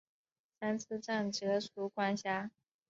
三次站则属管辖。